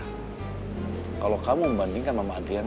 kalau kamu membandingkan mama adriana